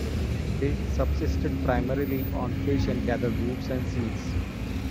They subsisted primarily on fish and gathered roots and seeds.